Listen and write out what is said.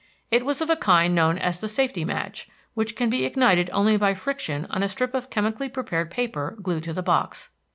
It was of a kind known as the safety match, which can be ignited only by friction on a strip of chemically prepared paper glued to the box.